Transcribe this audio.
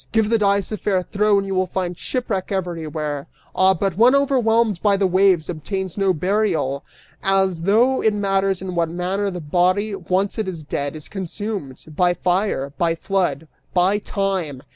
Give the dice a fair throw and you will find shipwreck everywhere! Ah, but one overwhelmed by the waves obtains no burial! As though it matters in what manner the body, once it is dead, is consumed: by fire, by flood, by time!